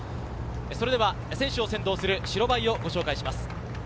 選手を先導する白バイをご紹介します。